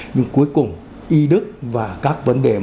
nhưng cuối cùng y đức và các vấn đề